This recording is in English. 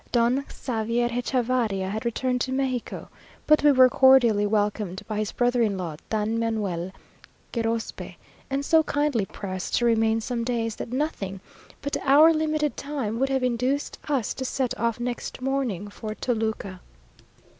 Don Xavier Hechavarria had returned to Mexico, but we were cordially welcomed by his brother in law, Don Manuel Gorospe, and so kindly pressed to remain some days, that nothing but our limited time would have induced us to set off next morning for Toluca.